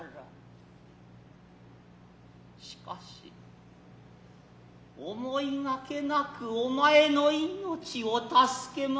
しかし思ひ掛なくお前の生命を助けました。